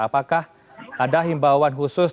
apakah ada himbawan khusus